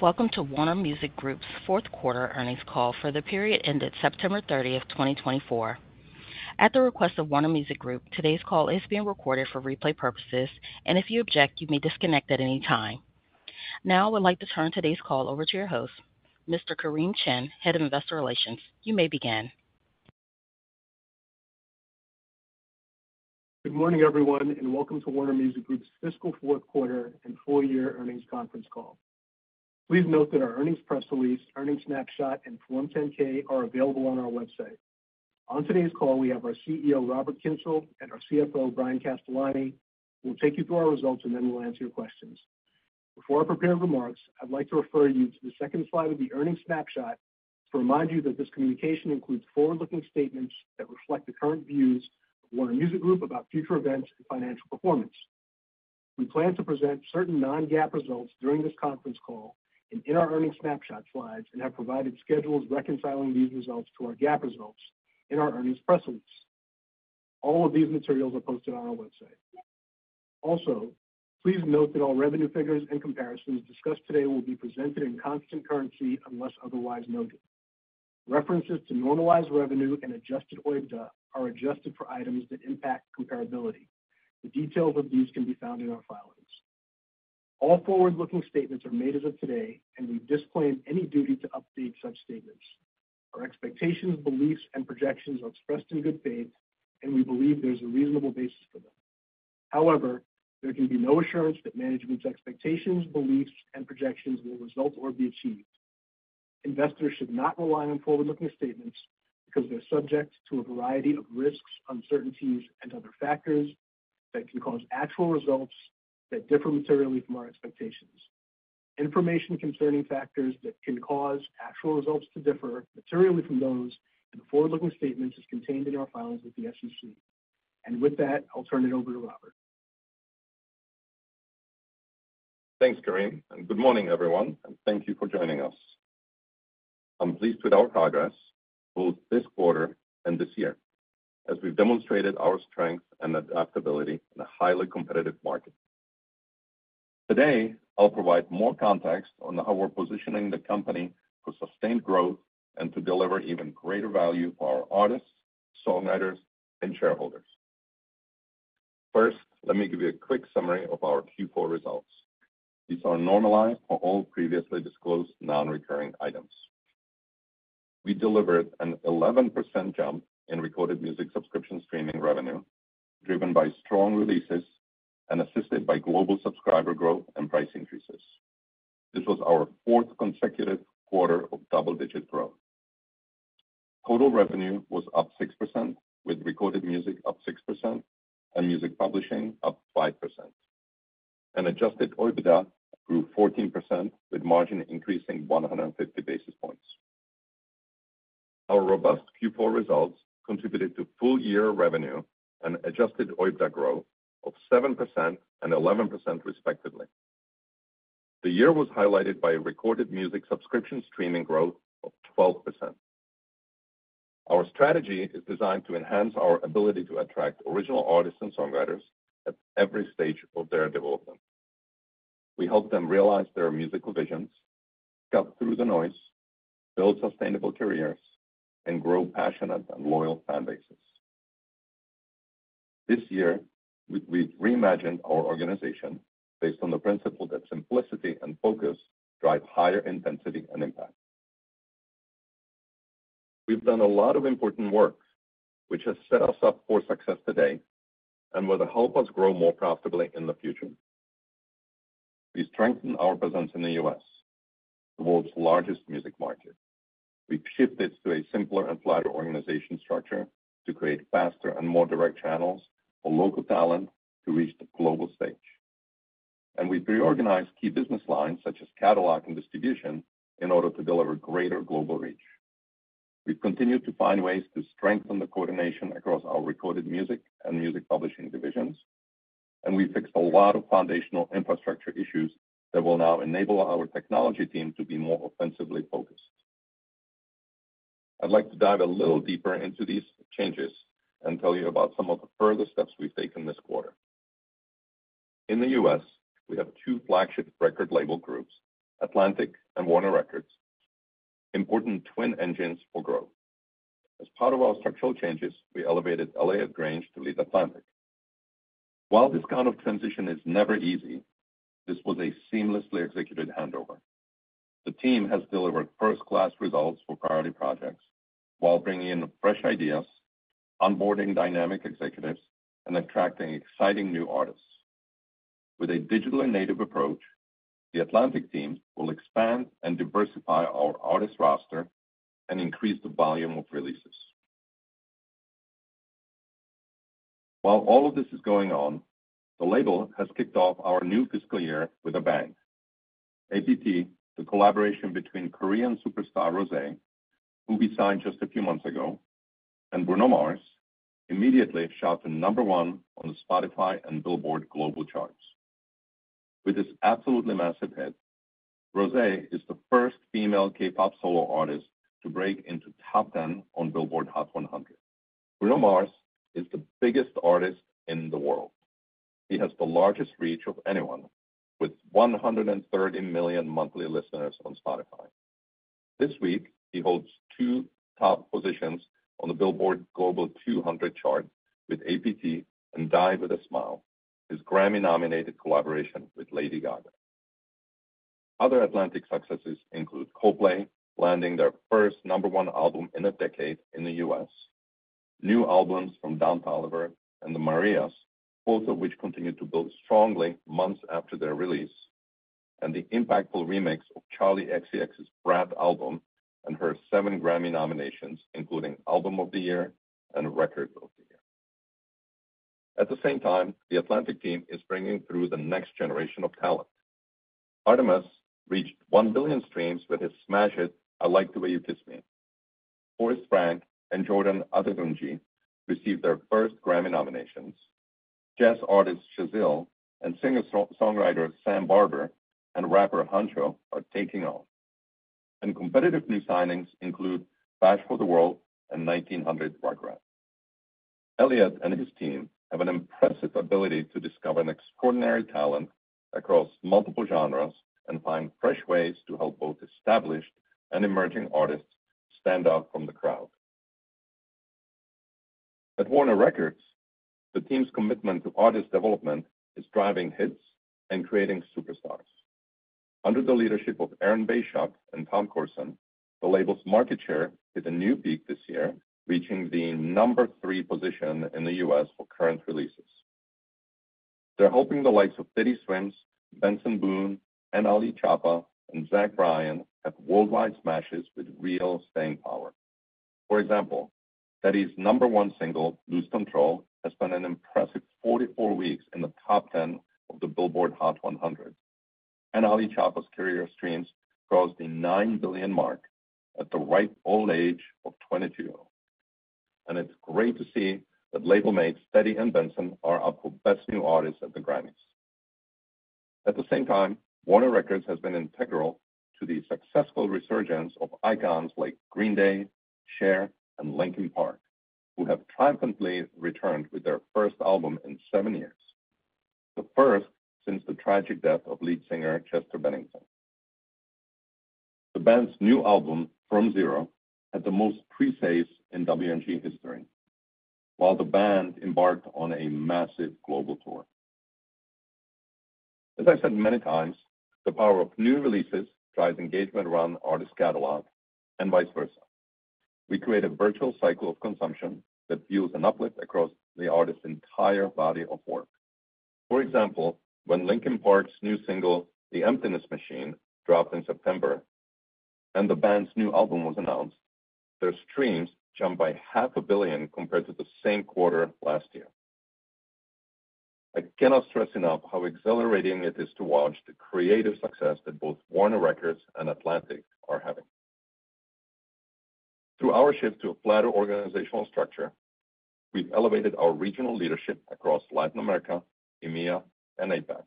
Welcome to Warner Music Group's fourth quarter earnings call for the period ended September 30th, 2024. At the request of Warner Music Group, today's call is being recorded for replay purposes, and if you object, you may disconnect at any time. Now, I would like to turn today's call over to your host, Mr. Kareem Chin, head of investor relations. You may begin. Good morning, everyone, and welcome to Warner Music Group's fiscal fourth quarter and full year earnings conference call. Please note that our earnings press release, earnings snapshot, and Form 10-K are available on our website. On today's call, we have our CEO, Robert Kyncl, and our CFO, Bryan Castellani. We'll take you through our results, and then we'll answer your questions. Before I prepare remarks, I'd like to refer you to the second slide of the earnings snapshot to remind you that this communication includes forward-looking statements that reflect the current views of Warner Music Group about future events and financial performance. We plan to present certain non-GAAP results during this conference call and in our earnings snapshot slides and have provided schedules reconciling these results to our GAAP results in our earnings press release. All of these materials are posted on our website. Also, please note that all revenue figures and comparisons discussed today will be presented in constant currency unless otherwise noted. References to normalized revenue and Adjusted OIBDA are adjusted for items that impact comparability. The details of these can be found in our filings. All forward-looking statements are made as of today, and we disclaim any duty to update such statements. Our expectations, beliefs, and projections are expressed in good faith, and we believe there's a reasonable basis for them. However, there can be no assurance that management's expectations, beliefs, and projections will result or be achieved. Investors should not rely on forward-looking statements because they're subject to a variety of risks, uncertainties, and other factors that can cause actual results that differ materially from our expectations. Information concerning factors that can cause actual results to differ materially from those in the forward-looking statements is contained in our filings with the SEC, and with that, I'll turn it over to Robert. Thanks Kareem. Good morning, everyone, and thank you for joining us. I'm pleased with our progress both this quarter and this year, as we've demonstrated our strength and adaptability in a highly competitive market. Today, I'll provide more context on how we're positioning the company for sustained growth and to deliver even greater value for our artists, songwriters, and shareholders. First, let me give you a quick summary of our Q4 results. These are normalized for all previously disclosed non-recurring items. We delivered an 11% jump in recorded music subscription streaming revenue, driven by strong releases and assisted by global subscriber growth and price increases. This was our fourth consecutive quarter of double-digit growth. Total revenue was up 6%, with recorded music up 6% and music publishing up 5%. Adjusted OIBDA grew 14%, with margin increasing 150 basis points. Our robust Q4 results contributed to full-year revenue and Adjusted OIBDA growth of 7% and 11%, respectively. The year was highlighted by recorded music subscription streaming growth of 12%. Our strategy is designed to enhance our ability to attract original artists and songwriters at every stage of their development. We help them realize their musical visions, cut through the noise, build sustainable careers, and grow passionate and loyal fan bases. This year, we've reimagined our organization based on the principle that simplicity and focus drive higher intensity and impact. We've done a lot of important work, which has set us up for success today and will help us grow more profitably in the future. We strengthened our presence in the U.S., the world's largest music market. We've shifted to a simpler and flatter organization structure to create faster and more direct channels for local talent to reach the global stage. And we've reorganized key business lines such as catalog and distribution in order to deliver greater global reach. We've continued to find ways to strengthen the coordination across our recorded music and music publishing divisions, and we fixed a lot of foundational infrastructure issues that will now enable our technology team to be more offensively focused. I'd like to dive a little deeper into these changes and tell you about some of the further steps we've taken this quarter. In the US, we have two flagship record label groups, Atlantic and Warner Records, important twin engines for growth. As part of our structural changes, we elevated Elliot Grainge to lead Atlantic. While this kind of transition is never easy, this was a seamlessly executed handover. The team has delivered first-class results for priority projects while bringing in fresh ideas, onboarding dynamic executives, and attracting exciting new artists. With a digital and native approach, the Atlantic team will expand and diversify our artist roster and increase the volume of releases. While all of this is going on, the label has kicked off our new fiscal year with a bang. APT, the collaboration between Korean superstar Rosé, who we signed just a few months ago, and Bruno Mars, immediately shot to number one on the Spotify and Billboard Global charts. With this absolutely massive hit, Rosé is the first female K-pop solo artist to break into top 10 on Billboard Hot 100. Bruno Mars is the biggest artist in the world. He has the largest reach of anyone, with 130 million monthly listeners on Spotify. This week, he holds two top positions on the Billboard Global 200 chart with APT. and Die With A Smile, his Grammy-nominated collaboration with Lady Gaga. Other Atlantic successes include Coldplay landing their first number one album in a decade in the U.S., new albums from Don Toliver and The Marías, both of which continue to build strongly months after their release, and the impactful remix of Charli XCX's Brat album and her seven Grammy nominations, including Album of the Year and Record of the Year. At the same time, the Atlantic team is bringing through the next generation of talent. Artemas reached 1 billion streams with his smash hit I Like the Way You Kiss Me. Forrest Frank and Jordan Adetunji received their first Grammy nominations. Jazz artist Cécile and singer-songwriter Sam Barber and rapper Hunxho are taking off. Competitive new signings include BashfortheWorld and 1900's Rugrats. Elliot and his team have an impressive ability to discover an extraordinary talent across multiple genres and find fresh ways to help both established and emerging artists stand out from the crowd. At Warner Records, the team's commitment to artist development is driving hits and creating superstars. Under the leadership of Aaron Bay-Schuck and Tom Corson, the label's market share hit a new peak this year, reaching the number three position in the U.S. for current releases. They're hoping the likes of Teddy Swims, Benson Boone, NLE Choppa, and Zach Bryan have worldwide smashes with real staying power. For example, Teddy's number one single, Lose Control, has spent an impressive 44 weeks in the top 10 of the Billboard Hot 100. NLE Choppa's career streams crossed the nine billion mark at the ripe old age of 22. It's great to see that label mates Teddy and Benson are up for best new artists at the Grammys. At the same time, Warner Records has been integral to the successful resurgence of icons like Green Day, Cher, and Linkin Park, who have triumphantly returned with their first album in seven years, the first since the tragic death of lead singer Chester Bennington. The band's new album, From Zero, had the most pre-sales in WMG history, while the band embarked on a massive global tour. As I've said many times, the power of new releases drives engagement around artist catalog and vice versa. We create a virtuous cycle of consumption that fuels an uplift across the artist's entire body of work. For example, when Linkin Park's new single, The Emptiness Machine, dropped in September and the band's new album was announced, their streams jumped by 500 million compared to the same quarter last year. I cannot stress enough how exhilarating it is to watch the creative success that both Warner Records and Atlantic are having. Through our shift to a flatter organizational structure, we've elevated our regional leadership across Latin America, EMEA, and APAC.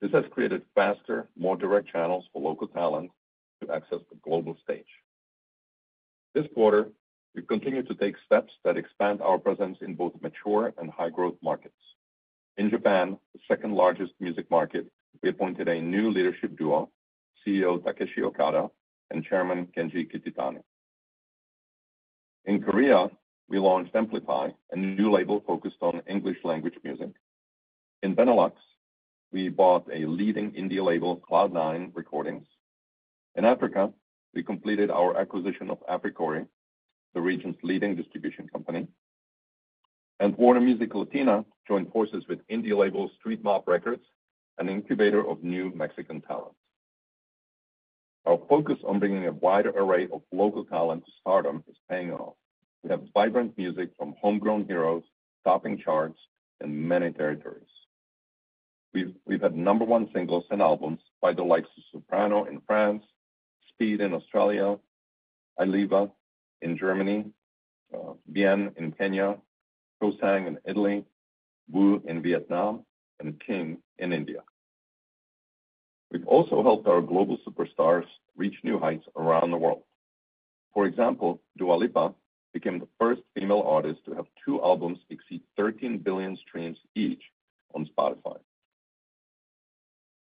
This has created faster, more direct channels for local talent to access the global stage. This quarter, we continue to take steps that expand our presence in both mature and high-growth markets. In Japan, the second largest music market, we appointed a new leadership duo, CEO Takeshi Okada and Chairman Kenji Kitatani. In Korea, we launched MPLIFY, a new label focused on English-language music. In Benelux, we bought a leading independent label, Cloud 9 Recordings. In Africa, we completed our acquisition of Africori, the region's leading distribution company, and Warner Music Latina joined forces with indie label Street Mob Records, an incubator of new Mexican talent. Our focus on bringing a wider array of local talent to stardom is paying off. We have vibrant music from homegrown heroes topping charts in many territories. We've had number one singles and albums by the likes of Soprano in France, Speed in Australia, Ayliva in Germany, Bien in Kenya, Co'Sang in Italy, Vũ in Vietnam, and King in India. We've also helped our global superstars reach new heights around the world. For example, Dua Lipa became the first female artist to have two albums exceed 13 billion streams each on Spotify.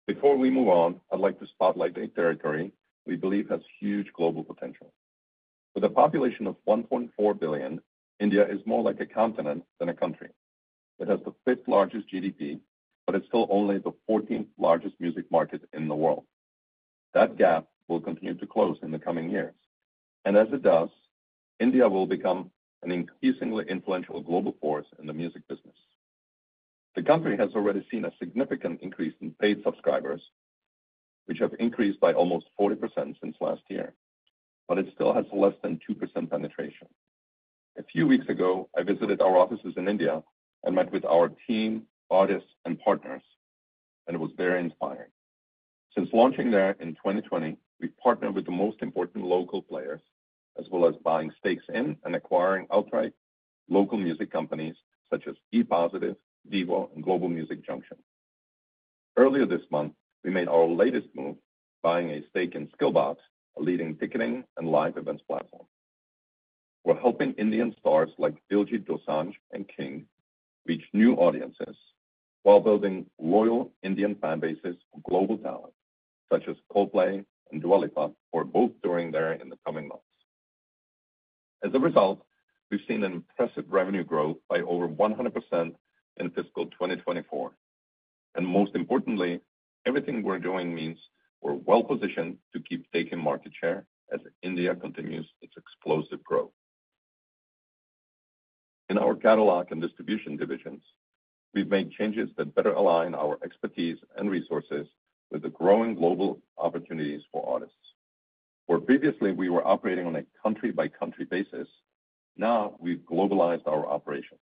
Before we move on, I'd like to spotlight a territory we believe has huge global potential. With a population of 1.4 billion, India is more like a continent than a country. It has the fifth largest GDP, but it's still only the 14th largest music market in the world. That gap will continue to close in the coming years, and as it does, India will become an increasingly influential global force in the music business. The country has already seen a significant increase in paid subscribers, which have increased by almost 40% since last year, but it still has less than 2% penetration. A few weeks ago, I visited our offices in India and met with our team, artists, and partners, and it was very inspiring. Since launching there in 2020, we've partnered with the most important local players, as well as buying stakes in and acquiring outright local music companies such as E-Positive, Divo, and Global Music Junction. Earlier this month, we made our latest move, buying a stake in Skillbox, a leading ticketing and live events platform. We're helping Indian stars like Diljit Dosanjh and King reach new audiences while building loyal Indian fan bases for global talent such as Coldplay and Dua Lipa, are both touring there in the coming months. As a result, we've seen an impressive revenue growth by over 100% in fiscal 2024, and most importantly, everything we're doing means we're well-positioned to keep taking market share as India continues its explosive growth. In our catalog and distribution divisions, we've made changes that better align our expertise and resources with the growing global opportunities for artists. Where previously we were operating on a country-by-country basis, now we've globalized our operations.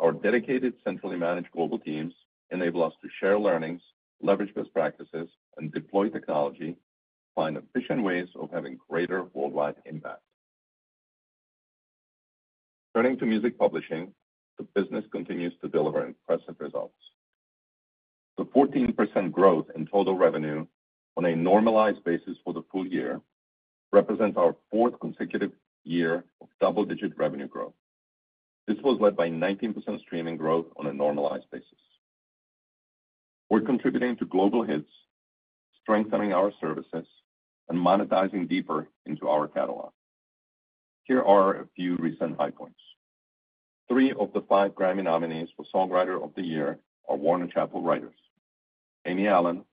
Our dedicated, centrally managed global teams enable us to share learnings, leverage best practices, and deploy technology to find efficient ways of having greater worldwide impact. Turning to music publishing, the business continues to deliver impressive results. The 14% growth in total revenue on a normalized basis for the full year represents our fourth consecutive year of double-digit revenue growth. This was led by 19% streaming growth on a normalized basis. We're contributing to global hits, strengthening our services, and monetizing deeper into our catalog. Here are a few recent high points. Three of the five Grammy nominees for Songwriter of the Year are Warner Chappell writers: Amy Allen,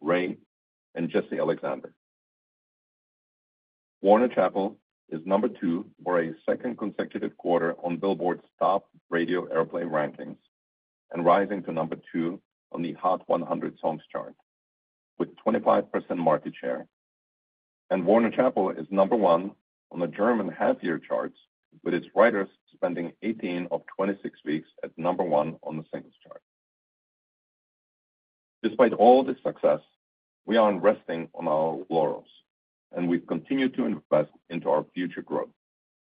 Raye, and Jesse Alexander. Warner Chappell is number two for a second consecutive quarter on Billboard's top radio airplay rankings and rising to number two on the Hot 100 Songs chart with 25% market share. Warner Chappell is number one on the German half-year charts, with its writers spending 18 of 26 weeks at number one on the singles chart. Despite all this success, we aren't resting on our laurels, and we've continued to invest into our future growth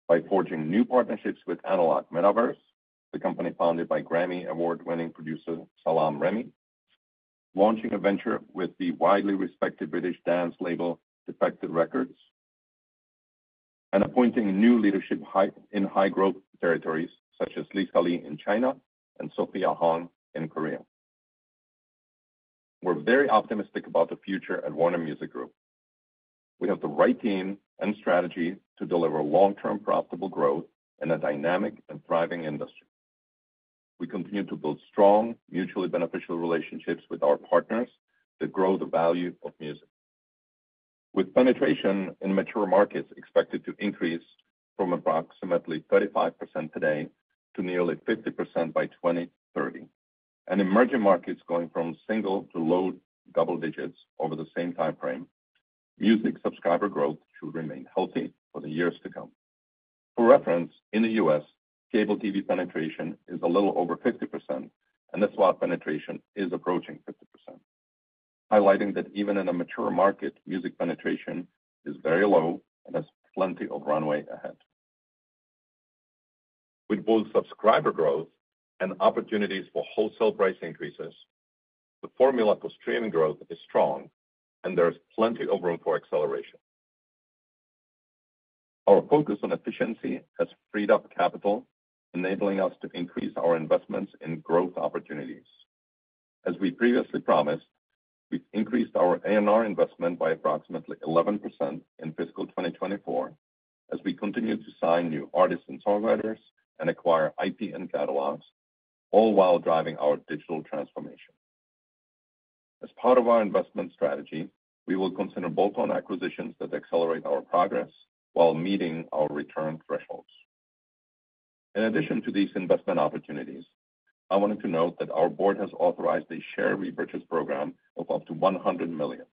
by forging new partnerships with Analog Metaverse, the company founded by Grammy Award-winning producer Salaam Remi, launching a venture with the widely respected British dance label Defected Records, and appointing new leadership in high-growth territories such as Lisa Li in China and Sophia Hong in Korea. We're very optimistic about the future at Warner Music Group. We have the right team and strategy to deliver long-term profitable growth in a dynamic and thriving industry. We continue to build strong, mutually beneficial relationships with our partners that grow the value of music, with penetration in mature markets expected to increase from approximately 35% today to nearly 50% by 2030. Emerging markets going from single to low double digits over the same time frame. Music subscriber growth should remain healthy for the years to come. For reference, in the U.S., cable TV penetration is a little over 50%, and that's why penetration is approaching 50%, highlighting that even in a mature market, music penetration is very low and has plenty of runway ahead. With both subscriber growth and opportunities for wholesale price increases, the formula for streaming growth is strong, and there is plenty of room for acceleration. Our focus on efficiency has freed up capital, enabling us to increase our investments in growth opportunities. As we previously promised, we've increased our A&R investment by approximately 11% in fiscal 2024 as we continue to sign new artists and songwriters and acquire IP and catalogs, all while driving our digital transformation. As part of our investment strategy, we will consider bolt-on acquisitions that accelerate our progress while meeting our return thresholds. In addition to these investment opportunities, I wanted to note that our board has authorized a share repurchase program of up to 100 million.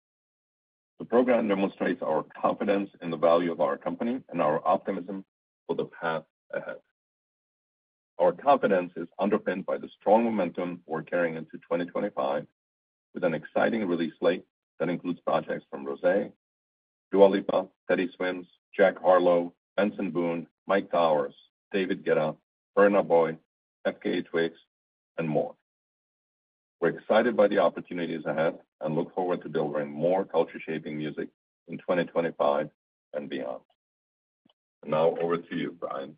The program demonstrates our confidence in the value of our company and our optimism for the path ahead. Our confidence is underpinned by the strong momentum we're carrying into 2025, with an exciting release slate that includes projects from Rosé, Dua Lipa, Teddy Swims, Jack Harlow, Benson Boone, Myke Towers, David Guetta, Burna Boy, FKA twigs, and more. We're excited by the opportunities ahead and look forward to delivering more culture-shaping music in 2025 and beyond. Now, over to you, Bryan.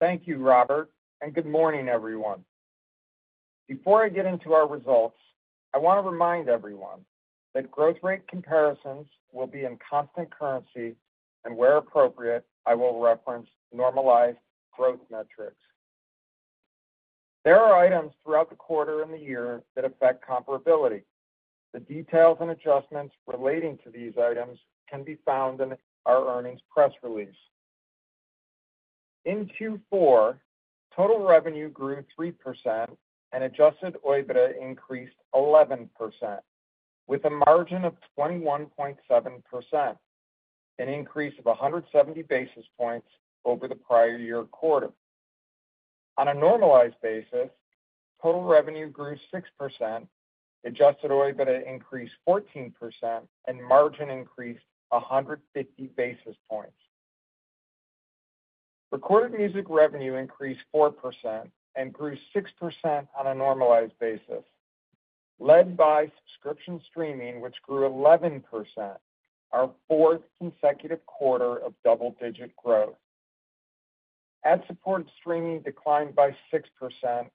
Thank you, Robert, and good morning, everyone. Before I get into our results, I want to remind everyone that growth rate comparisons will be in constant currency, and where appropriate, I will reference normalized growth metrics. There are items throughout the quarter and the year that affect comparability. The details and adjustments relating to these items can be found in our earnings press release. In Q4, total revenue grew 3%, and Adjusted OIBDA increased 11%, with a margin of 21.7%, an increase of 170 basis points over the prior year quarter. On a normalized basis, total revenue grew 6%, Adjusted OIBDA increased 14%, and margin increased 150 basis points. Recorded music revenue increased 4% and grew 6% on a normalized basis, led by subscription streaming, which grew 11%, our fourth consecutive quarter of double-digit growth. Ad-supported streaming declined by 6%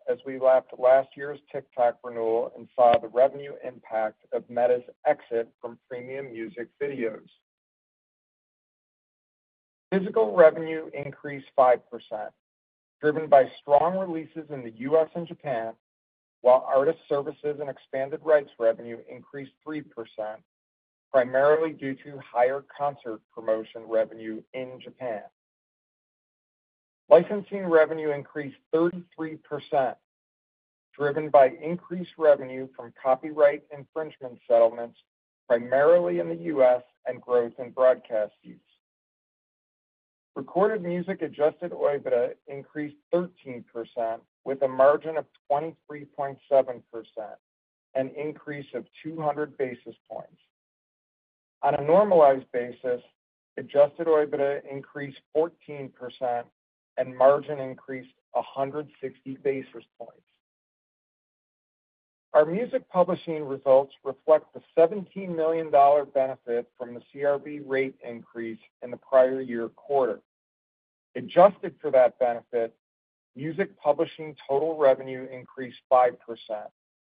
as we lapped last year's TikTok renewal and saw the revenue impact of Meta's exit from premium music videos. Physical revenue increased 5%, driven by strong releases in the U.S. and Japan, while artist services and expanded rights revenue increased 3%, primarily due to higher concert promotion revenue in Japan. Licensing revenue increased 33%, driven by increased revenue from copyright infringement settlements, primarily in the U.S., and growth in broadcast use. Recorded music Adjusted OIBDA increased 13%, with a margin of 23.7%, an increase of 200 basis points. On a normalized basis, Adjusted OIBDA increased 14%, and margin increased 160 basis points. Our music publishing results reflect the $17 million benefit from the CRB rate increase in the prior year quarter. Adjusted for that benefit, music publishing total revenue increased 5%,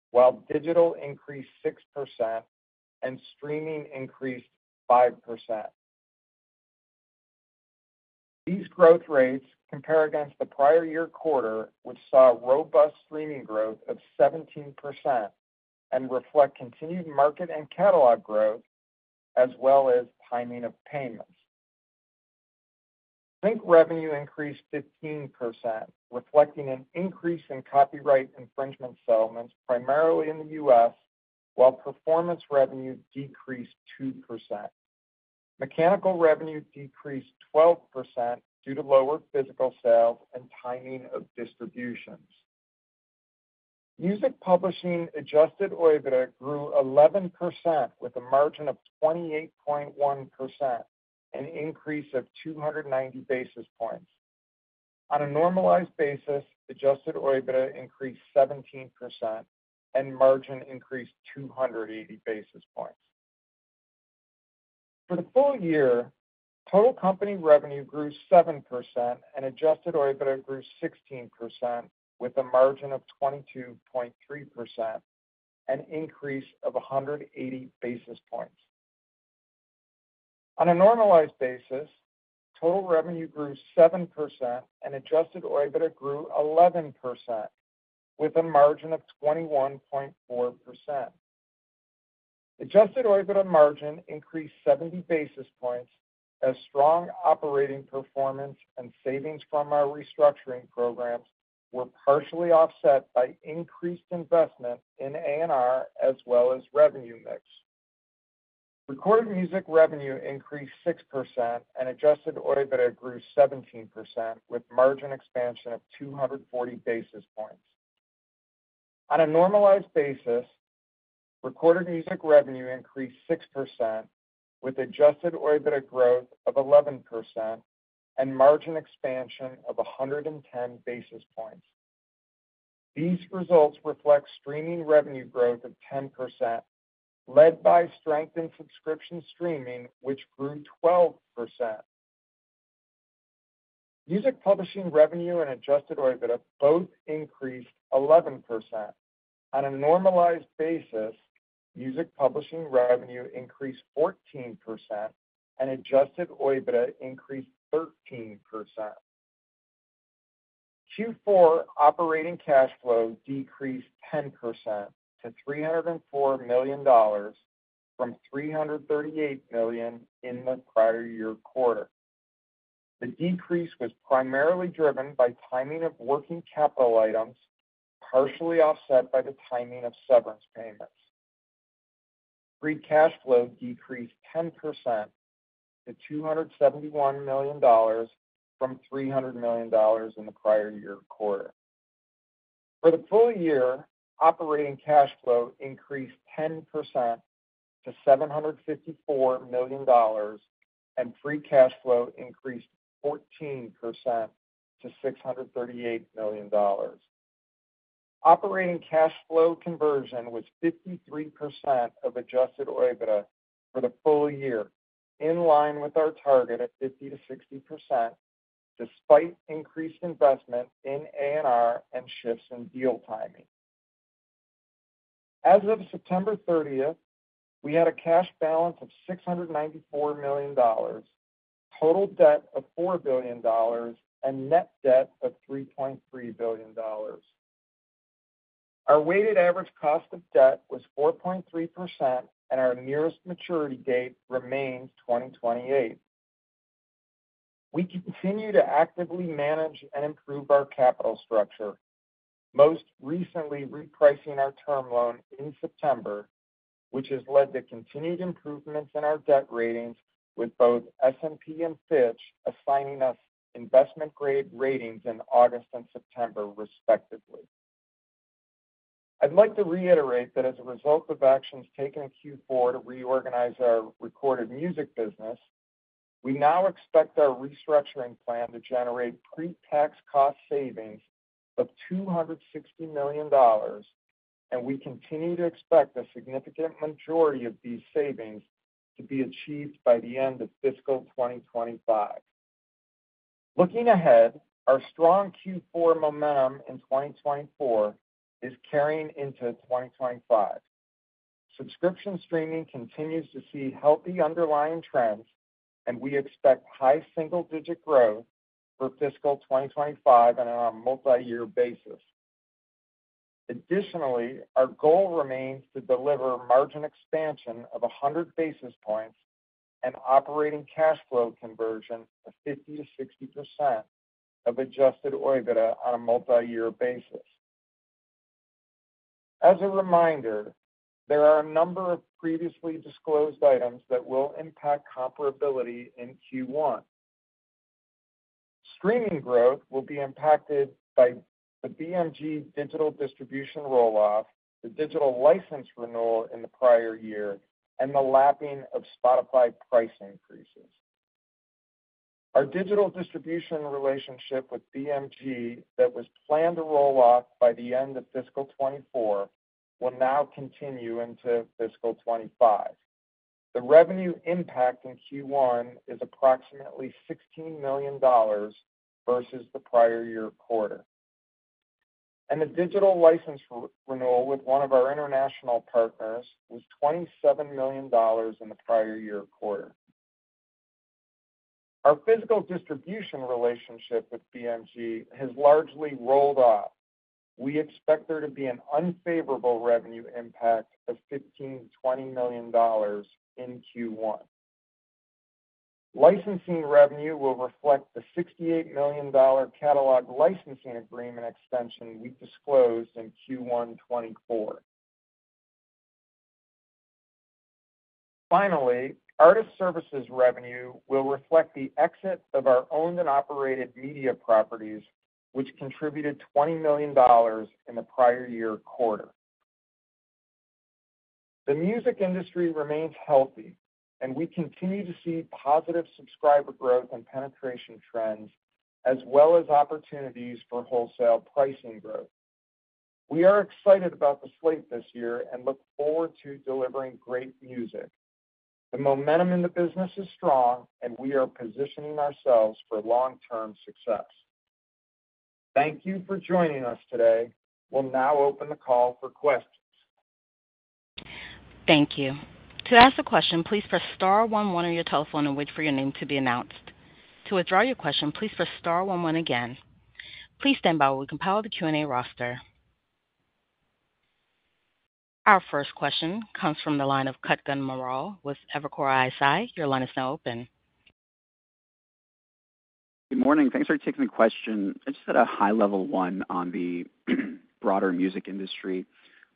while digital increased 6%, and streaming increased 5%. These growth rates compare against the prior year quarter, which saw robust streaming growth of 17%, and reflect continued market and catalog growth, as well as timing of payments. Sync revenue increased 15%, reflecting an increase in copyright infringement settlements, primarily in the US, while performance revenue decreased 2%. Mechanical revenue decreased 12% due to lower physical sales and timing of distributions. Music publishing Adjusted OIBDA grew 11%, with a margin of 28.1%, an increase of 290 basis points. On a normalized basis, Adjusted OIBDA increased 17%, and margin increased 280 basis points. For the full year, total company revenue grew 7%, and Adjusted OIBDA grew 16%, with a margin of 22.3%, an increase of 180 basis points. On a normalized basis, total revenue grew 7%, and Adjusted OIBDA grew 11%, with a margin of 21.4%. Adjusted OIBDA margin increased 70 basis points as strong operating performance and savings from our restructuring programs were partially offset by increased investment in A&R as well as revenue mix. Recorded music revenue increased 6%, and Adjusted OIBDA grew 17%, with margin expansion of 240 basis points. On a normalized basis, recorded music revenue increased 6%, with Adjusted OIBDA growth of 11%, and margin expansion of 110 basis points. These results reflect streaming revenue growth of 10%, led by strength in subscription streaming, which grew 12%. Music publishing revenue and Adjusted OIBDA both increased 11%. On a normalized basis, music publishing revenue increased 14%, and Adjusted OIBDA increased 13%. Q4 operating cash flow decreased 10% to $304 million from $338 million in the prior year quarter. The decrease was primarily driven by timing of working capital items, partially offset by the timing of severance payments. Free cash flow decreased 10% to $271 million from $300 million in the prior year quarter. For the full year, operating cash flow increased 10% to $754 million, and free cash flow increased 14% to $638 million. Operating cash flow conversion was 53% of Adjusted OIBDA for the full year, in line with our target of 50%-60%, despite increased investment in A&R and shifts in deal timing. As of September 30th, we had a cash balance of $694 million, total debt of $4 billion, and net debt of $3.3 billion. Our weighted average cost of debt was 4.3%, and our nearest maturity date remains 2028. We continue to actively manage and improve our capital structure, most recently repricing our term loan in September, which has led to continued improvements in our debt ratings, with both S&P and Fitch assigning us investment-grade ratings in August and September, respectively. I'd like to reiterate that as a result of actions taken in Q4 to reorganize our recorded music business, we now expect our restructuring plan to generate pre-tax cost savings of $260 million, and we continue to expect a significant majority of these savings to be achieved by the end of fiscal 2025. Looking ahead, our strong Q4 momentum in 2024 is carrying into 2025. Subscription streaming continues to see healthy underlying trends, and we expect high single-digit growth for fiscal 2025 on a multi-year basis. Additionally, our goal remains to deliver margin expansion of 100 basis points and operating cash flow conversion of 50%-60% of Adjusted OIBDA on a multi-year basis. As a reminder, there are a number of previously disclosed items that will impact comparability in Q1. Streaming growth will be impacted by the BMG digital distribution roll-off, the digital license renewal in the prior year, and the lapping of Spotify price increases. Our digital distribution relationship with BMG that was planned to roll off by the end of fiscal 2024 will now continue into fiscal 2025. The revenue impact in Q1 is approximately $16 million versus the prior year quarter. And the digital license renewal with one of our international partners was $27 million in the prior year quarter. Our physical distribution relationship with BMG has largely rolled off. We expect there to be an unfavorable revenue impact of $15million-$20 million in Q1. Licensing revenue will reflect the $68 million catalog licensing agreement extension we disclosed in Q1 2024. Finally, artist services revenue will reflect the exit of our owned and operated media properties, which contributed $20 million in the prior year quarter. The music industry remains healthy, and we continue to see positive subscriber growth and penetration trends, as well as opportunities for wholesale pricing growth. We are excited about the slate this year and look forward to delivering great music. The momentum in the business is strong, and we are positioning ourselves for long-term success. Thank you for joining us today. We'll now open the call for questions. Thank you. To ask a question, please press star 11 on your telephone and wait for your name to be announced. To withdraw your question, please press star 11 again. Please stand by while we compile the Q&A roster. Our first question comes from the line of Kutgun Maral with Evercore ISI. Your line is now open. Good morning. Thanks for taking the question. I just had a high-level one on the broader music industry.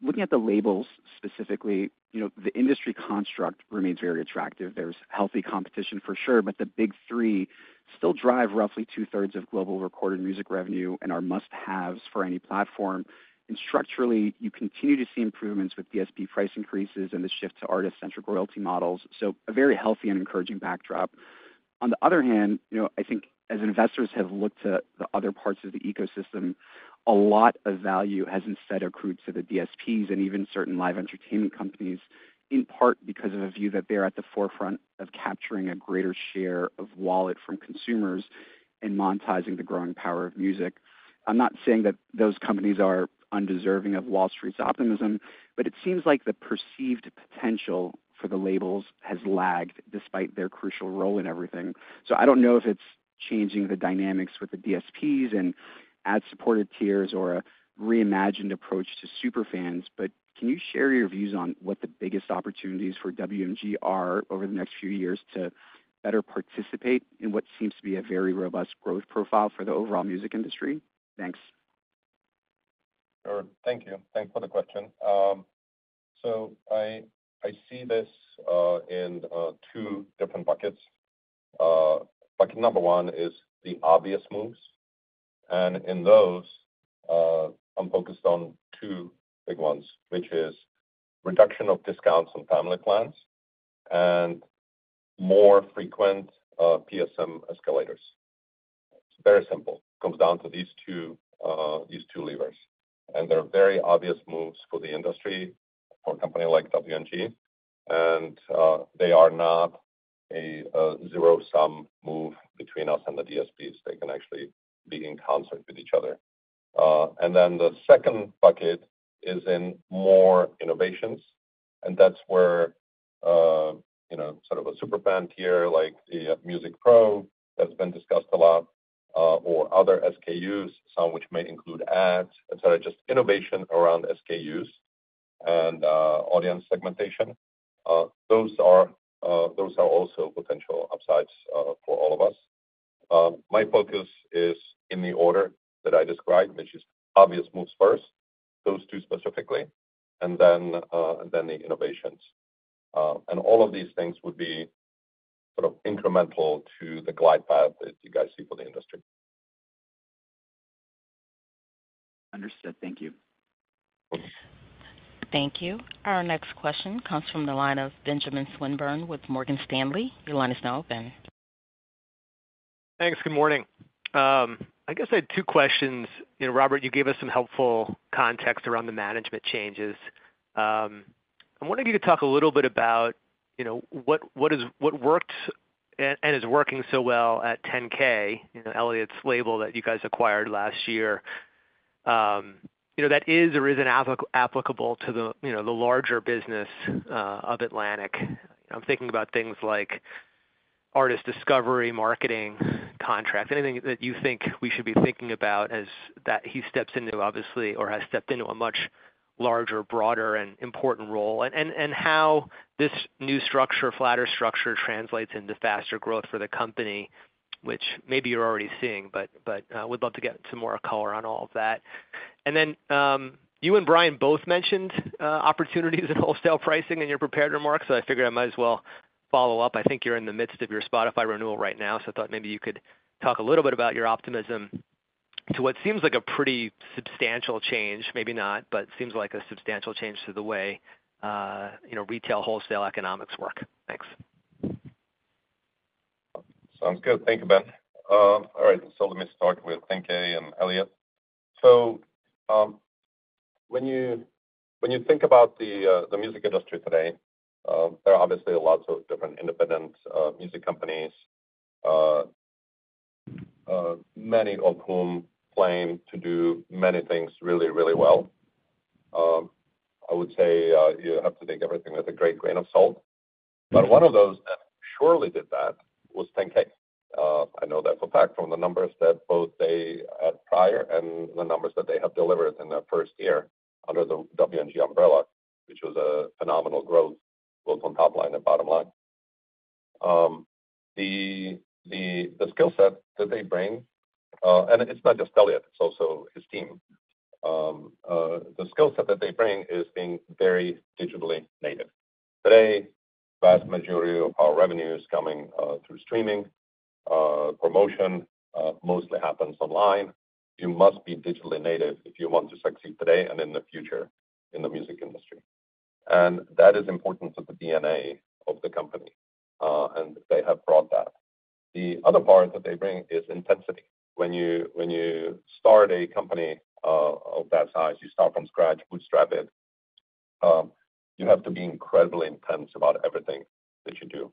Looking at the labels specifically, the industry construct remains very attractive. There's healthy competition for sure, but the big three still drive roughly two-thirds of global recorded music revenue and are must-haves for any platform. And structurally, you continue to see improvements with DSP price increases and the shift to artist-centric royalty models, so a very healthy and encouraging backdrop. On the other hand, I think as investors have looked to the other parts of the ecosystem, a lot of value has instead accrued to the DSPs and even certain live entertainment companies, in part because of a view that they're at the forefront of capturing a greater share of wallet from consumers and monetizing the growing power of music. I'm not saying that those companies are undeserving of Wall Street's optimism, but it seems like the perceived potential for the labels has lagged despite their crucial role in everything. So I don't know if it's changing the dynamics with the DSPs and ad-supported tiers or a reimagined approach to superfans, but can you share your views on what the biggest opportunities for WMG are over the next few years to better participate in what seems to be a very robust growth profile for the overall music industry? Thanks. Sure. Thank you. Thanks for the question. So I see this in two different buckets. Bucket number one is the obvious moves. And in those, I'm focused on two big ones, which is reduction of discounts on family plans and more frequent PSM escalators. It's very simple. It comes down to these two levers. And they're very obvious moves for the industry for a company like WMG. And they are not a zero-sum move between us and the DSPs. They can actually be in concert with each other. And then the second bucket is in more innovations. And that's where sort of a superfan tier like the Music Pro that's been discussed a lot or other SKUs, some which may include ads, etc., just innovation around SKUs and audience segmentation. Those are also potential upsides for all of us. My focus is in the order that I described, which is obvious moves first, those two specifically, and then the innovations. And all of these things would be sort of incremental to the glide path that you guys see for the industry. Understood. Thank you. Thank you. Our next question comes from the line of Benjamin Swinburne with Morgan Stanley. Your line is now open. Thanks. Good morning. I guess I had two questions. Robert, you gave us some helpful context around the management changes. I'm wondering if you could talk a little bit about what worked and is working so well at 10K, Elliot's label that you guys acquired last year, that is or isn't applicable to the larger business of Atlantic. I'm thinking about things like artist discovery, marketing, contracts, anything that you think we should be thinking about as he steps into, obviously, or has stepped into a much larger, broader, and important role, and how this new structure, flatter structure, translates into faster growth for the company, which maybe you're already seeing, but would love to get some more color on all of that. And then you and Bryan both mentioned opportunities in wholesale pricing in your prepared remarks, so I figured I might as well follow up. I think you're in the midst of your Spotify renewal right now, so I thought maybe you could talk a little bit about your optimism to what seems like a pretty substantial change, maybe not, but seems like a substantial change to the way retail wholesale economics work. Thanks. Sounds good. Thank you, Ben. All right. So let me start with 10K and Elliot. So when you think about the music industry today, there are obviously lots of different independent music companies, many of whom claim to do many things really, really well. I would say you have to take everything with a great grain of salt. But one of those that surely did that was 10K. I know that for a fact from the numbers that both they had prior and the numbers that they have delivered in the first year under the WMG umbrella, which was a phenomenal growth both on top line and bottom line. The skill set that they bring, and it's not just Elliot, it's also his team, the skill set that they bring is being very digitally native. Today, the vast majority of our revenue is coming through streaming. Promotion mostly happens online. You must be digitally native if you want to succeed today and in the future in the music industry. And that is important to the DNA of the company, and they have brought that. The other part that they bring is intensity. When you start a company of that size, you start from scratch, bootstrap it. You have to be incredibly intense about everything that you do.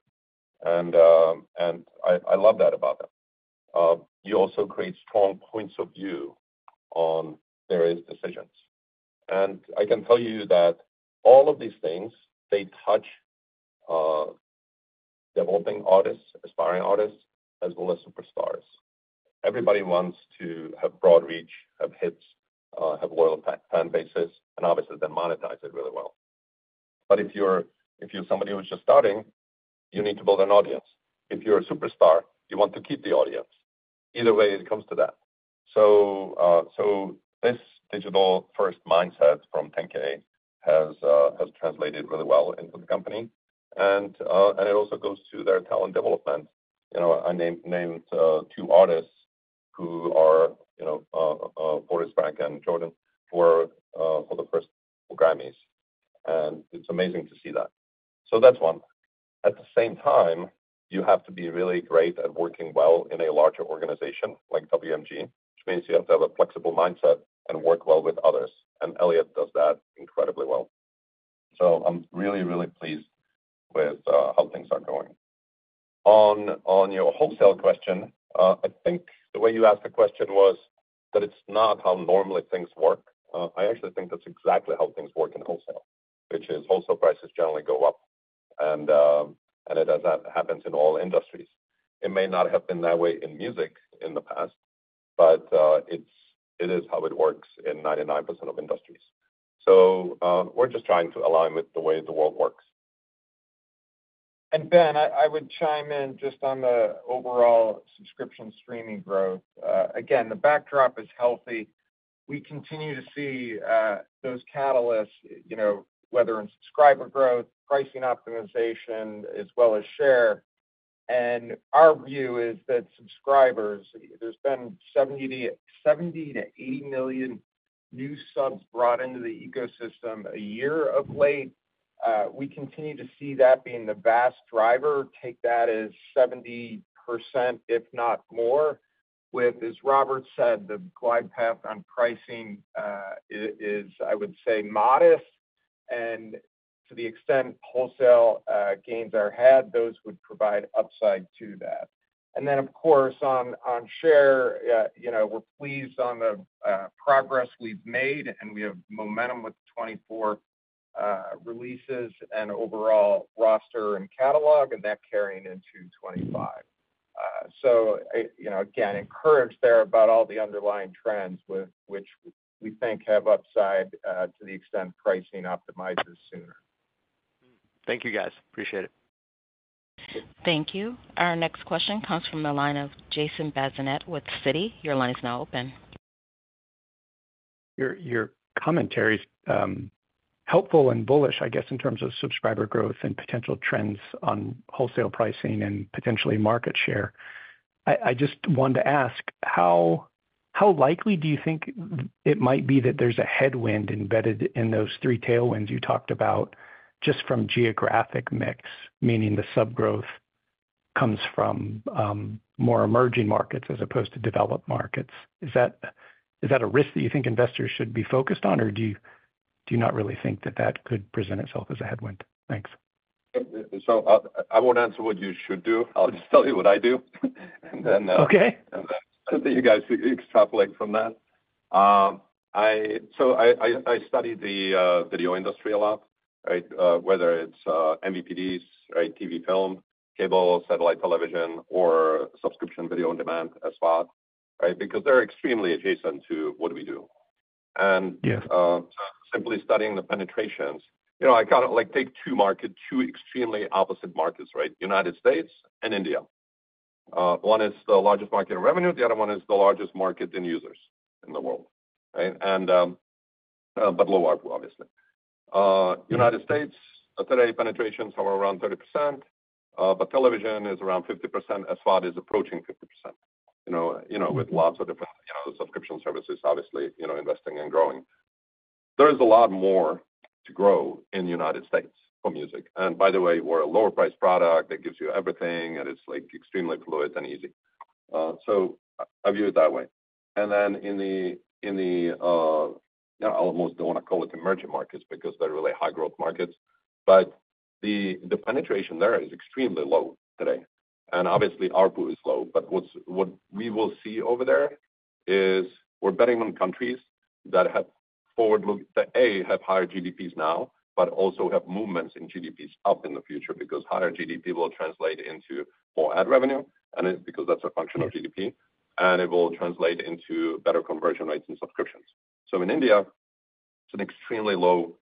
And I love that about them. You also create strong points of view on various decisions. And I can tell you that all of these things, they touch developing artists, aspiring artists, as well as superstars. Everybody wants to have broad reach, have hits, have loyal fan bases, and obviously, then monetize it really well. But if you're somebody who's just starting, you need to build an audience. If you're a superstar, you want to keep the audience. Either way, it comes to that. So this digital-first mindset from 10K has translated really well into the company, and it also goes to their talent development. I named two artists who are Forest Frank and Jordan for the first Grammys, and it's amazing to see that. So that's one. At the same time, you have to be really great at working well in a larger organization like WMG, which means you have to have a flexible mindset and work well with others. And Elliot does that incredibly well. So I'm really, really pleased with how things are going. On your wholesale question, I think the way you asked the question was that it's not how normally things work. I actually think that's exactly how things work in wholesale, which is wholesale prices generally go up, and it happens in all industries. It may not have been that way in music in the past, but it is how it works in 99% of industries. So we're just trying to align with the way the world works. And Ben, I would chime in just on the overall subscription streaming growth. Again, the backdrop is healthy. We continue to see those catalysts, whether in subscriber growth, pricing optimization, as well as share. And our view is that subscribers, there's been 70million-80 million new subs brought into the ecosystem a year of late. We continue to see that being the vast driver. Take that as 70%, if not more. With, as Robert said, the glide path on pricing is, I would say, modest. And to the extent wholesale gains are had, those would provide upside to that. And then, of course, on share, we're pleased on the progress we've made, and we have momentum with 24 releases and overall roster and catalog, and that carrying into 25. So again, encouraged there about all the underlying trends with which we think have upside to the extent pricing optimizes sooner. Thank you, guys. Appreciate it. Thank you. Our next question comes from the line of Jason Bazinet with Citi. Your line is now open. Your commentary is helpful and bullish, I guess, in terms of subscriber growth and potential trends on wholesale pricing and potentially market share. I just wanted to ask, how likely do you think it might be that there's a headwind embedded in those three tailwinds you talked about just from geographic mix, meaning the subgrowth comes from more emerging markets as opposed to developed markets? Is that a risk that you think investors should be focused on, or do you not really think that that could present itself as a headwind? Thanks. So I won't answer what you should do. I'll just tell you what I do. And then I think you guys extrapolate from that. So I study the video industry a lot, whether it's MVPDs, TV film, cable, satellite television, or subscription video on demand as well, because they're extremely adjacent to what we do. And simply studying the penetrations, I kind of take two extremely opposite markets, right? United States and India. One is the largest market in revenue. The other one is the largest market in users in the world, but lower, obviously. United States, today, penetrations are around 30%, but television is around 50% as far as approaching 50% with lots of different subscription services, obviously investing and growing. There is a lot more to grow in the United States for music, and by the way, we're a lower-priced product that gives you everything, and it's extremely fluid and easy, so I view it that way, and then in the, yeah, I almost don't want to call it emerging markets because they're really high-growth markets, but the penetration there is extremely low today, and obviously, our pool is low, but what we will see over there is we're betting on countries that have forward-looking that, A, have higher GDPs now, but also have movements in GDPs up in the future because higher GDP will translate into more ad revenue, and it's because that's a function of GDP, and it will translate into better conversion rates and subscriptions, so in India, it's an extremely low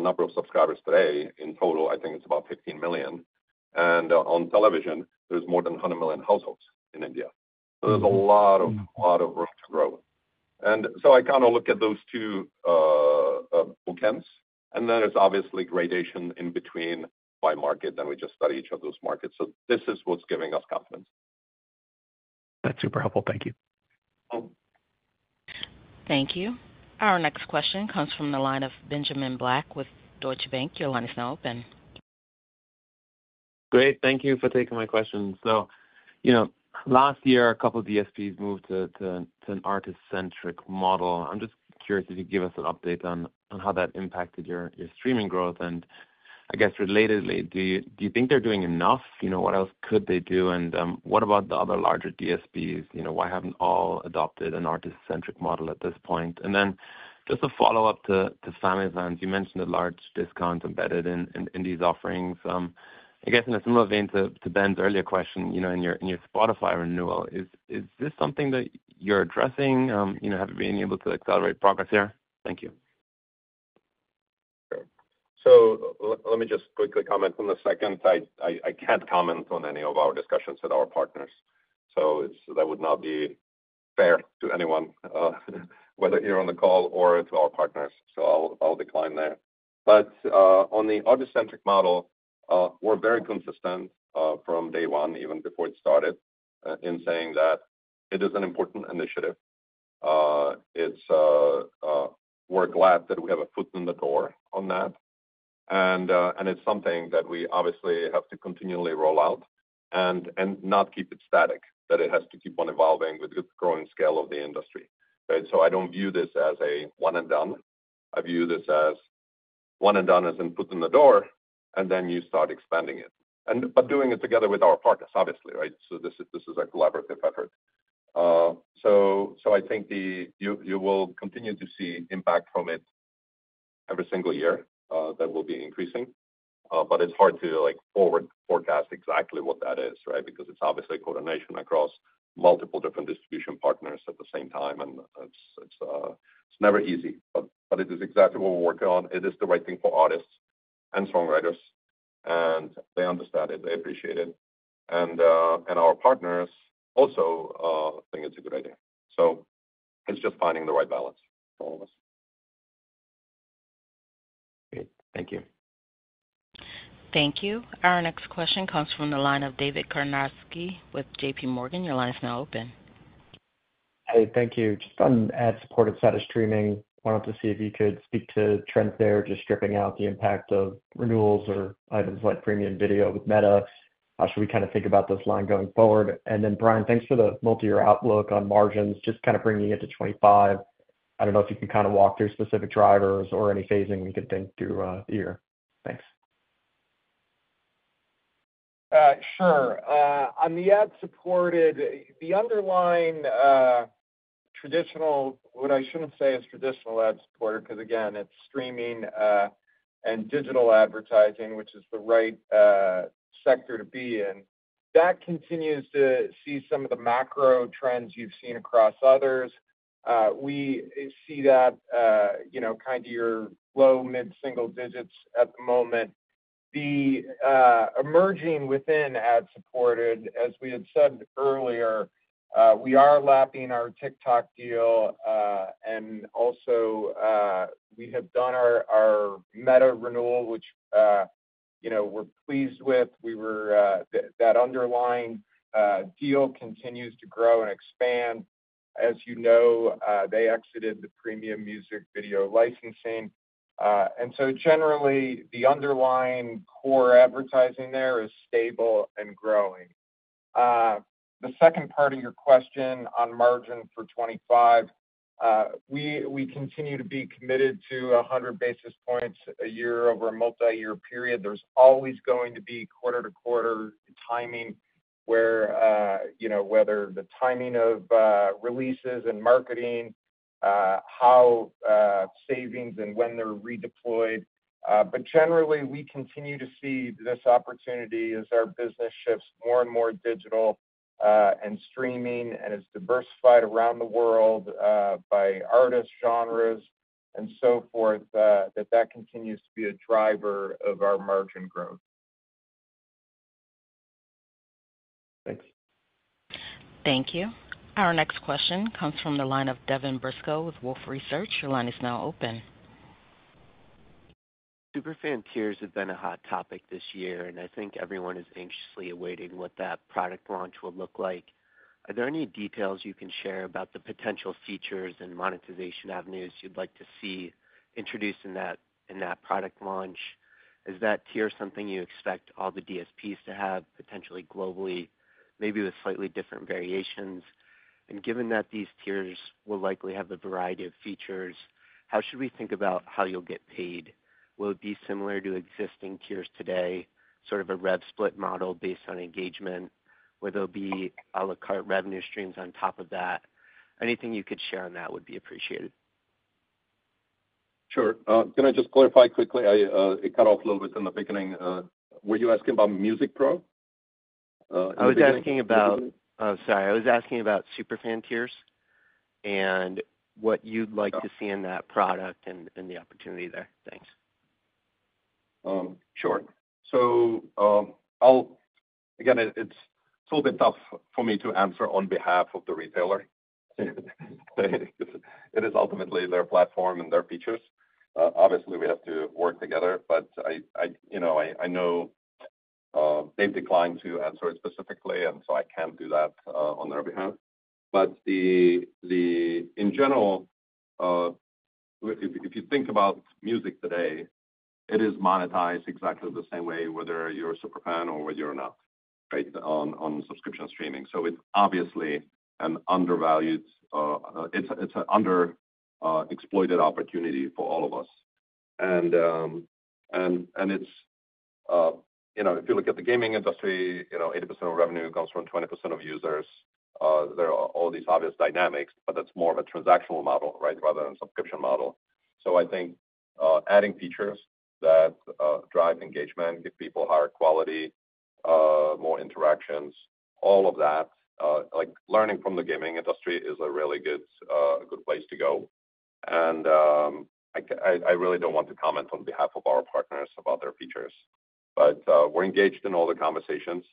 number of subscribers today. In total, I think it's about 15 million. And on television, there's more than 100 million households in India. So there's a lot of room to grow. And so I kind of look at those two bouquets, and then there's obviously gradation in between by market, and we just study each of those markets. So this is what's giving us confidence. That's super helpful. Thank you. Thank you. Our next question comes from the line of Benjamin Black with Deutsche Bank. Your line is now open. Great. Thank you for taking my question. So last year, a couple of DSPs moved to an artist-centric model. I'm just curious if you can give us an update on how that impacted your streaming growth. And I guess relatedly, do you think they're doing enough? What else could they do? And what about the other larger DSPs? Why haven't all adopted an artist-centric model at this point? Then just to follow up to family plans, you mentioned a large discount embedded in these offerings. I guess in a similar vein to Ben's earlier question in your Spotify renewal, is this something that you're addressing? Have you been able to accelerate progress here? Thank you. Let me just quickly comment on the second. I can't comment on any of our discussions with our partners. So that would not be fair to anyone, whether you're on the call or to our partners. I'll decline there. But on the artist-centric model, we're very consistent from day one, even before it started, in saying that it is an important initiative. We're glad that we have a foot in the door on that. And it's something that we obviously have to continually roll out and not keep it static, that it has to keep on evolving with the growing scale of the industry. So I don't view this as a one-and-done. I view this as one-and-done as in foot in the door, and then you start expanding it, but doing it together with our partners, obviously, right? So this is a collaborative effort. So I think you will continue to see impact from it every single year that will be increasing. But it's hard to forward forecast exactly what that is, right? Because it's obviously coordination across multiple different distribution partners at the same time. And it's never easy, but it is exactly what we're working on. It is the right thing for artists and songwriters, and they understand it. They appreciate it. And our partners also think it's a good idea. So it's just finding the right balance for all of us. Great. Thank you. Thank you. Our next question comes from the line of David Karnovsky with J.P. Morgan. Your line is now open. Hey, thank you. Just on ad-supported side of streaming, wanted to see if you could speak to trends there, just stripping out the impact of renewals or items like premium video with Meta. How should we kind of think about this line going forward? And then Bryan, thanks for the multi-year outlook on margins, just kind of bringing it to 25%. I don't know if you can kind of walk through specific drivers or any phasing we could think through here. Thanks. Sure. On the ad-supported, the underlying traditional, what I shouldn't say is traditional ad-supported, because again, it's streaming and digital advertising, which is the right sector to be in. That continues to see some of the macro trends you've seen across others. We see that kind of your low, mid-single digits at the moment. The emerging within ad-supported, as we had said earlier, we are lapping our TikTok deal. And also, we have done our Meta renewal, which we're pleased with. That underlying deal continues to grow and expand. As you know, they exited the premium music video licensing. And so generally, the underlying core advertising there is stable and growing. The second part of your question on margin for 25, we continue to be committed to 100 basis points a year over a multi-year period. There's always going to be quarter-to-quarter timing, whether the timing of releases and marketing, how savings and when they're redeployed. But generally, we continue to see this opportunity as our business shifts more and more digital and streaming and is diversified around the world by artists, genres, and so forth, that that continues to be a driver of our margin growth. Thanks. Thank you. Our next question comes from the line of Devin Briscoe with Wolfe Research. Your line is now open. Superfan tiers have been a hot topic this year, and I think everyone is anxiously awaiting what that product launch will look like. Are there any details you can share about the potential features and monetization avenues you'd like to see introduced in that product launch? Is that tier something you expect all the DSPs to have, potentially globally, maybe with slightly different variations? And given that these tiers will likely have a variety of features, how should we think about how you'll get paid? Will it be similar to existing tiers today, sort of a rev split model based on engagement, where there'll be à la carte revenue streams on top of that? Anything you could share on that would be appreciated. Sure. Can I just clarify quickly? It cut off a little bit in the beginning. Were you asking about Music Pro? I was asking about, sorry. I was asking about Superfan tiers and what you'd like to see in that product and the opportunity there. Thanks. Sure. So again, it's a little bit tough for me to answer on behalf of the retailer. It is ultimately their platform and their features. Obviously, we have to work together, but I know they've declined to answer it specifically, and so I can't do that on their behalf. But in general, if you think about music today, it is monetized exactly the same way, whether you're a superfan or whether you're not, right, on subscription streaming. So it's obviously an undervalued, it's an under-exploited opportunity for all of us. And if you look at the gaming industry, 80% of revenue comes from 20% of users. There are all these obvious dynamics, but that's more of a transactional model, right, rather than a subscription model. So I think adding features that drive engagement, give people higher quality, more interactions, all of that, learning from the gaming industry is a really good place to go. And I really don't want to comment on behalf of our partners about their features, but we're engaged in all the conversations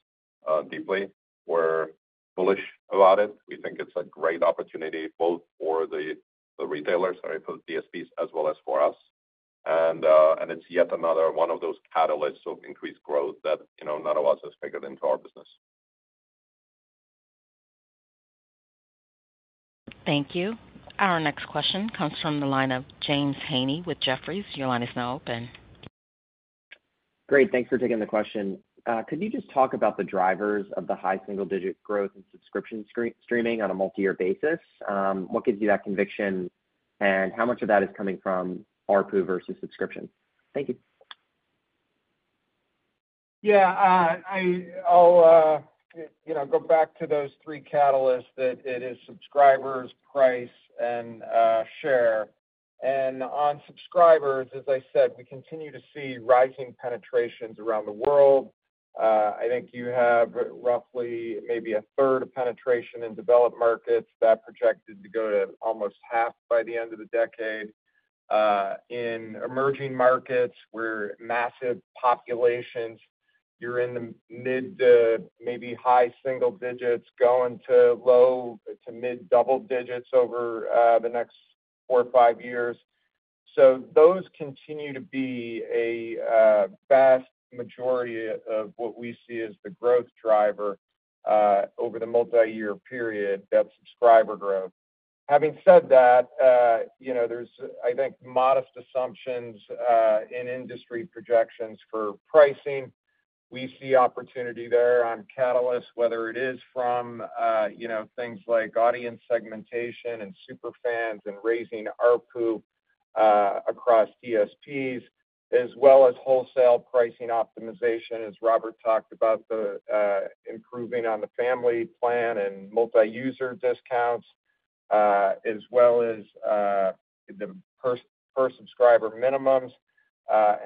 deeply. We're bullish about it. We think it's a great opportunity both for the retailers, sorry, for the DSPs, as well as for us. It's yet another one of those catalysts of increased growth that none of us has figured into our business. Thank you. Our next question comes from the line of James Heaney with Jefferies. Your line is now open. Great. Thanks for taking the question. Could you just talk about the drivers of the high single-digit growth in subscription streaming on a multi-year basis? What gives you that conviction, and how much of that is coming from RPU versus subscription? Thank you. Yeah. I'll go back to those three catalysts that it is subscribers, price, and share. And on subscribers, as I said, we continue to see rising penetrations around the world. I think you have roughly maybe a third of penetration in developed markets. That projected to go to almost half by the end of the decade. In emerging markets, where massive populations, you're in the mid to maybe high single digits going to low to mid double digits over the next four or five years. So those continue to be a vast majority of what we see as the growth driver over the multi-year period, that subscriber growth. Having said that, there's, I think, modest assumptions in industry projections for pricing. We see opportunity there on catalysts, whether it is from things like audience segmentation and superfans and raising RPU across DSPs, as well as wholesale pricing optimization, as Robert talked about, improving on the family plan and multi-user discounts, as well as the per-subscriber minimums,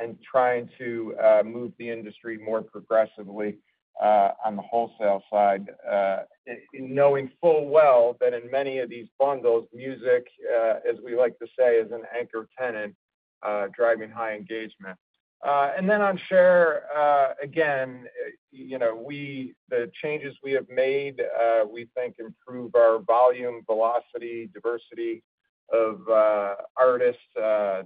and trying to move the industry more progressively on the wholesale side, knowing full well that in many of these bundles, music, as we like to say, is an anchor tenant driving high engagement. And then on share, again, the changes we have made, we think, improve our volume, velocity, diversity of artist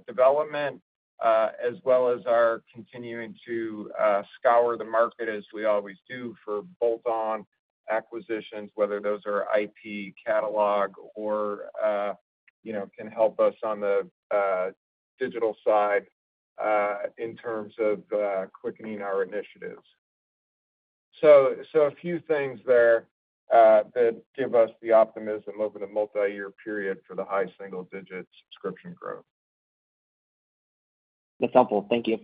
development, as well as our continuing to scour the market, as we always do, for bolt-on acquisitions, whether those are IP catalog or can help us on the digital side in terms of quickening our initiatives. So a few things there that give us the optimism over the multi-year period for the high single-digit subscription growth. That's helpful. Thank you.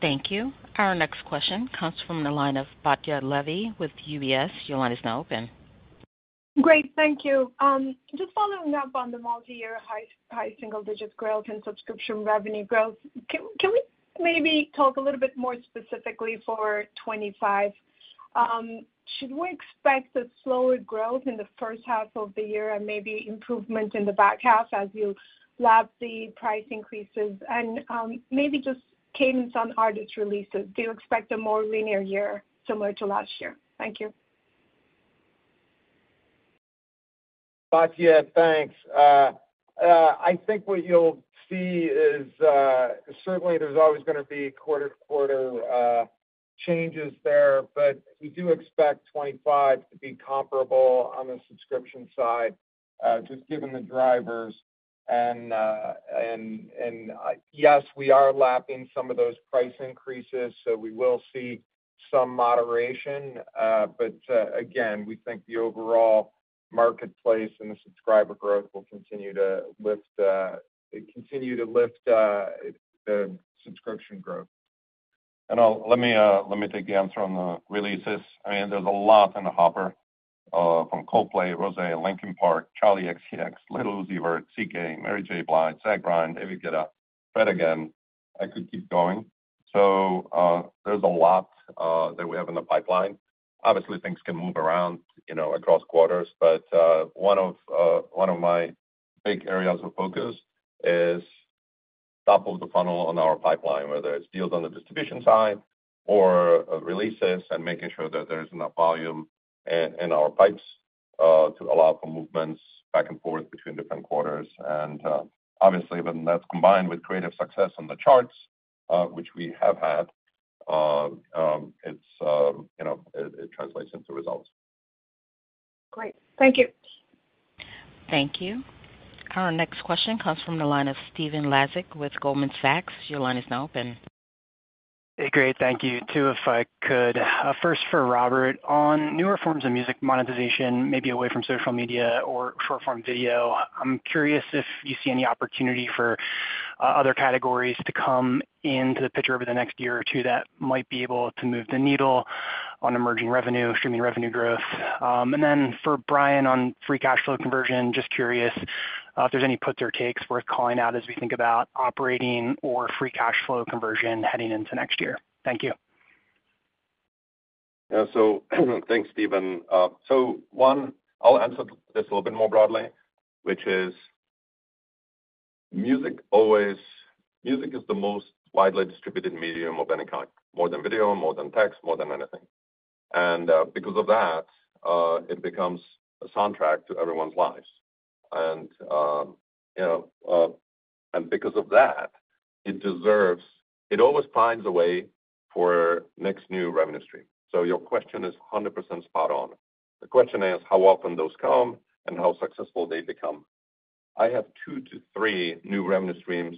Thank you. Our next question comes from the line of Batya Levi with UBS. Your line is now open. Great. Thank you. Just following up on the multi-year high single-digit growth and subscription revenue growth, can we maybe talk a little bit more specifically for 2025? Should we expect slower growth in the first half of the year and maybe improvement in the back half as you lap the price increases? And maybe just cadence on artist releases. Do you expect a more linear year similar to last year? Thank you. Batya, thanks. I think what you'll see is certainly there's always going to be quarter-to-quarter changes there, but we do expect '25 to be comparable on the subscription side, just given the drivers. And yes, we are lapping some of those price increases, so we will see some moderation. But again, we think the overall marketplace and the subscriber growth will continue to lift the subscription growth. And let me take the answer on the releases. I mean, there's a lot in the hopper from Coldplay, Rosé, Linkin Park, Charli XCX, Little Uzi Vert, CKay, Mary J. Blige, Zach Bryan, David Guetta. But again, I could keep going. So there's a lot that we have in the pipeline. Obviously, things can move around across quarters, but one of my big areas of focus is top of the funnel on our pipeline, whether it's deals on the distribution side or releases and making sure that there's enough volume in our pipes to allow for movements back and forth between different quarters. And obviously, when that's combined with creative success on the charts, which we have had, it translates into results. Great. Thank you. Thank you. Our next question comes from the line of Stephen Laszczyk with Goldman Sachs. Your line is now open. Hey, great. Thank you. Two, if I could. First, for Robert, on newer forms of music monetization, maybe away from social media or short-form video, I'm curious if you see any opportunity for other categories to come into the picture over the next year or two that might be able to move the needle on emerging revenue, streaming revenue growth? And then for Bryan on free cash flow conversion, just curious if there's any puts or takes worth calling out as we think about operating or free cash flow conversion heading into next year. Thank you. So thanks, Stephen. So one, I'll answer this a little bit more broadly, which is music always music is the most widely distributed medium of any kind, more than video, more than text, more than anything. And because of that, it becomes a soundtrack to everyone's lives. And because of that, it always finds a way for next new revenue stream. Your question is 100% spot on. The question is, how often those come and how successful they become? I have two to three new revenue streams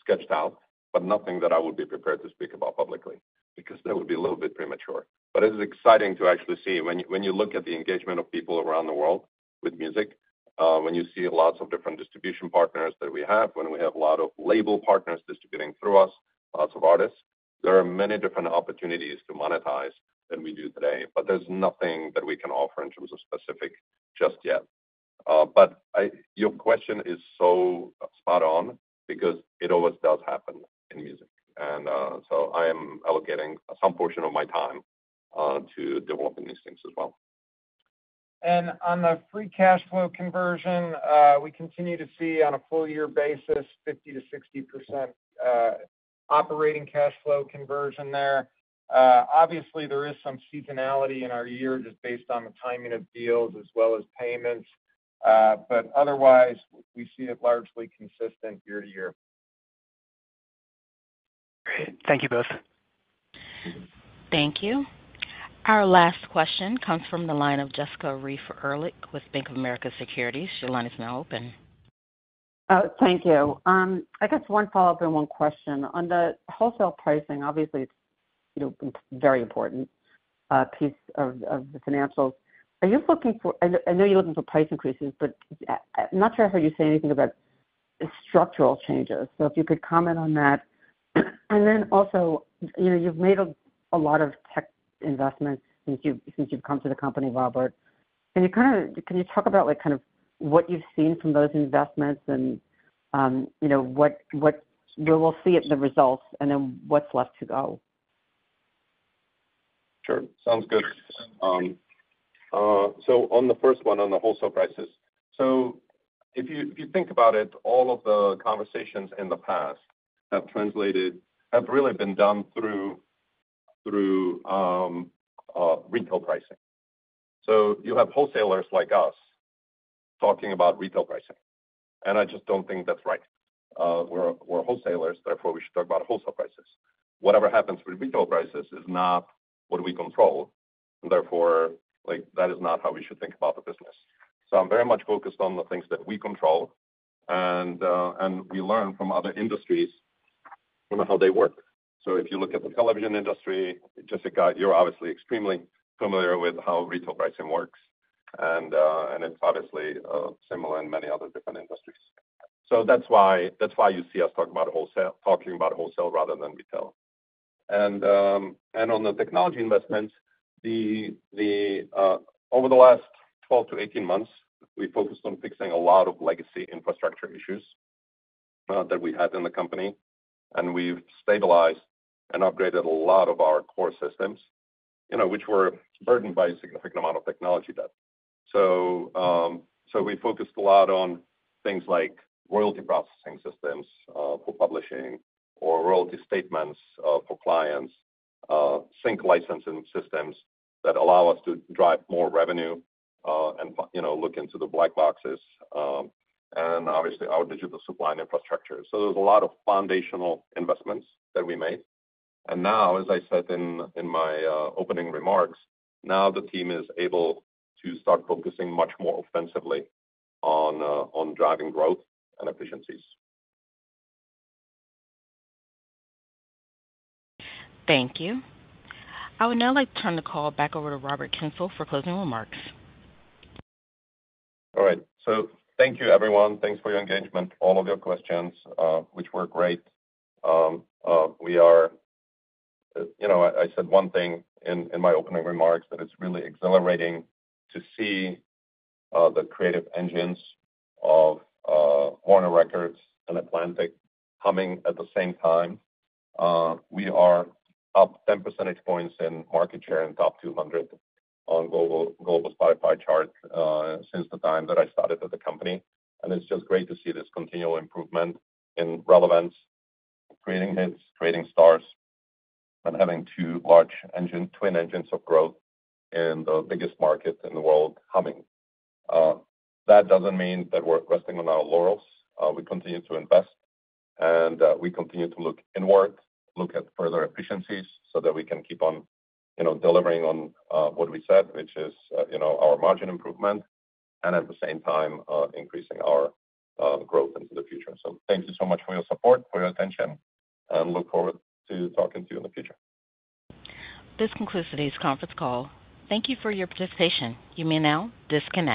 sketched out, but nothing that I would be prepared to speak about publicly because that would be a little bit premature. But it's exciting to actually see when you look at the engagement of people around the world with music, when you see lots of different distribution partners that we have, when we have a lot of label partners distributing through us, lots of artists, there are many different opportunities to monetize than we do today. But there's nothing that we can offer in terms of specific just yet. But your question is so spot on because it always does happen in music. And so I am allocating some portion of my time to developing these things as well. On the free cash flow conversion, we continue to see on a full-year basis, 50%-60% operating cash flow conversion there. Obviously, there is some seasonality in our year just based on the timing of deals as well as payments. Otherwise, we see it largely consistent year to year. Great. Thank you both. Thank you. Our last question comes from the line of Jessica Reif Ehrlich with Bank of America Securities. Your line is now open. Thank you. I guess one follow-up and one question. On the wholesale pricing, obviously, it's a very important piece of the financials. Are you looking for, I know you're looking for price increases, but I'm not sure I heard you say anything about structural changes. So if you could comment on that. Then also, you've made a lot of tech investments since you've come to the company, Robert. Can you talk about kind of what you've seen from those investments and what we will see at the results and then what's left to go? Sure. Sounds good. So on the first one, on the wholesale prices, so if you think about it, all of the conversations in the past have really been done through retail pricing. So you have wholesalers like us talking about retail pricing. And I just don't think that's right. We're wholesalers. Therefore, we should talk about wholesale prices. Whatever happens with retail prices is not what we control. And therefore, that is not how we should think about the business. So I'm very much focused on the things that we control, and we learn from other industries how they work. So if you look at the television industry, Jessica, you're obviously extremely familiar with how retail pricing works. It's obviously similar in many other different industries. That's why you see us talking about wholesale, talking about wholesale rather than retail. On the technology investments, over the last 12-18 months, we focused on fixing a lot of legacy infrastructure issues that we had in the company. We've stabilized and upgraded a lot of our core systems, which were burdened by a significant amount of technology debt. We focused a lot on things like royalty processing systems for publishing or royalty statements for clients, sync licensing systems that allow us to drive more revenue and look into the black boxes, and obviously our digital supply and infrastructure. There's a lot of foundational investments that we made. Now, as I said in my opening remarks, now the team is able to start focusing much more offensively on driving growth and efficiencies. Thank you. I would now like to turn the call back over to Robert Kyncl for closing remarks. All right. So thank you, everyone. Thanks for your engagement, all of your questions, which were great. I said one thing in my opening remarks, that it's really exhilarating to see the creative engines of Warner Records and Atlantic humming at the same time. We are up 10 percentage points in market share in Top 200 on Global Spotify chart since the time that I started at the company. And it's just great to see this continual improvement in relevance, creating hits, creating stars, and having two large twin engines of growth in the biggest market in the world humming. That doesn't mean that we're resting on our laurels. We continue to invest, and we continue to look inward, look at further efficiencies so that we can keep on delivering on what we said, which is our margin improvement and at the same time increasing our growth into the future. So thank you so much for your support, for your attention, and look forward to talking to you in the future. This concludes today's conference call. Thank you for your participation. You may now disconnect.